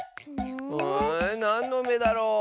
んなんのめだろう？